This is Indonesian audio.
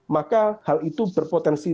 maka hal itu berpotensi